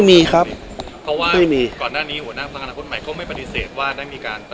พรรณธรรมใจภัยติดต่อมา